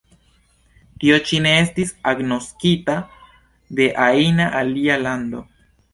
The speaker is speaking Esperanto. Tio ĉi ne estis agnoskita de ajna alia lando.